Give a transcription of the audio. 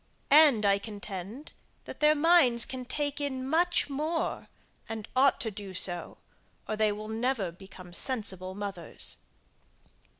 And I contend, that their minds can take in much more, and ought to do so, or they will never become sensible mothers.